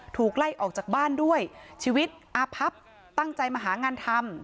ถูกไล่ออกจากบ้านด้วยชีวิตอาพับตั้งใจมาหางานทำ